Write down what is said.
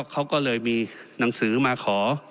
เขาก็เลยมีหนังสือมาขอ